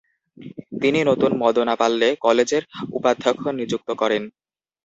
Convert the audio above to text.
তিনি নতুন মদনাপাল্লে কলেজের উপাধ্যক্ষ নিযুক্ত করেন।